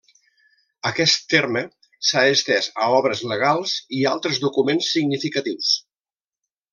Aquest terme s'ha estès a obres legals i altres documents significatius.